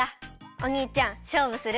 おにいちゃんしょうぶする？